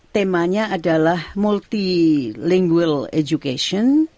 temanya adalah multilingual education